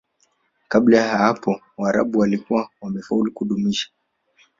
Kabla ya hapo Waarabu walikuwa wamefaulu kudumisha